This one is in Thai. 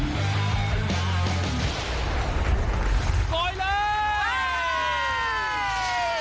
มาฝันแล้ว